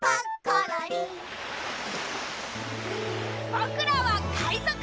ぼくらはかいぞく。